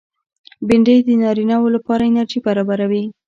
بېنډۍ د نارینه و لپاره انرژي برابروي